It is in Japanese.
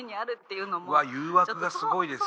うわっ誘惑がすごいですね。